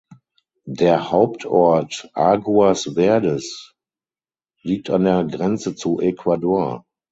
Der Hauptort Aguas Verdes liegt an der Grenze zu Ecuador.